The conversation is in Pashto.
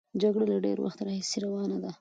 جګړه له ډېر وخت راهیسې روانه ده.